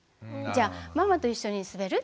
「じゃあママと一緒に滑る？」。